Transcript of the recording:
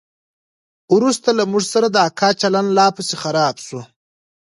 وروسته له موږ سره د اکا چلند لا پسې خراب سو.